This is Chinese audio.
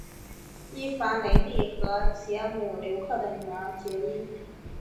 伊凡雷帝和捷姆留克的女儿结姻。